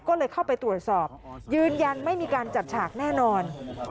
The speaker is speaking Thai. ก็เลยเข้าไปตรวจสอบยืนยันไม่มีการจัดฉากแน่นอน